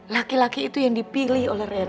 laki laki itu yang dipilih oleh